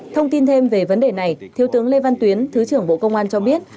thông tin thêm về vấn đề này thiếu tướng lê văn tuyến thứ trưởng bộ công an cho biết